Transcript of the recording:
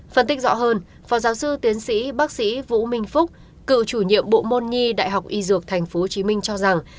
phân tích rõ hơn phó giáo sư tiến sĩ bác sĩ vũ minh phúc cựu chủ nhiệm bộ môn nhi đại học y dược tp hcm cho rằng